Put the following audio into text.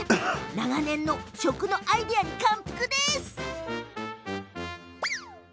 長年の食のアイデアに感服。